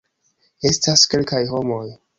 Estas kelkaj homoj